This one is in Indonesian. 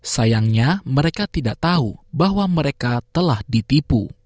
sayangnya mereka tidak tahu bahwa mereka telah ditipu